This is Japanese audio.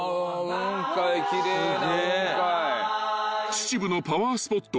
［秩父のパワースポット